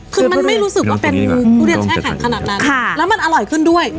คือมันไม่รู้สึกว่าเป็นทุเรียนแช่แข็งขนาดนั้นแล้วมันอร่อยขึ้นด้วย